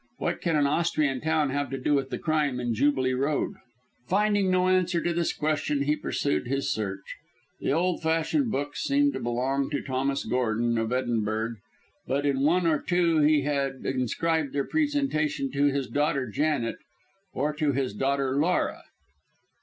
What can an Austrian town have to do with the crime in Jubilee Road?" Finding no answer to this question he pursued his search. The old fashioned books seemed to belong to Thomas Gordon, of Edinburgh, but in one or two he had inscribed their presentation to his "daughter Janet," or to his "daughter Laura."